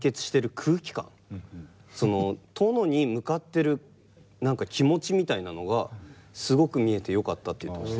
その殿に向かってる何か気持ちみたいなのがすごく見えてよかったって言ってました。